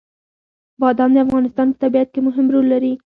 بادام د افغانستان په طبیعت کې مهم رول لري.